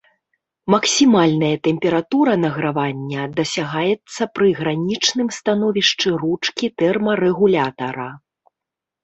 Максімальная тэмпература награвання дасягаецца пры гранічным становішчы ручкі тэрмарэгулятара.